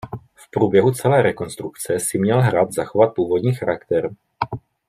V průběhu celé rekonstrukce si měl hrad zachovat původní charakter.